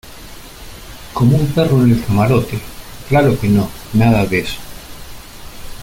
como un perro en el camarote. claro que no, nada de eso .